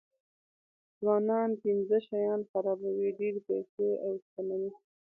ځوانان پنځه شیان خرابوي ډېرې پیسې او شتمني.